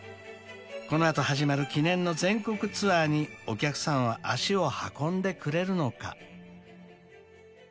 ［この後始まる記念の全国ツアーにお客さんは足を運んでくれるのか］